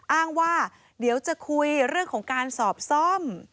อ้างว่าเดี๋ยวจะคุยเรื่องของการสอบซ่อม